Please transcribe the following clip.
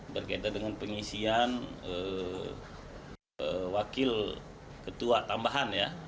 berkaitan dengan pengisian wakil ketua tambahan ya